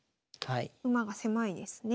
馬が狭いですね。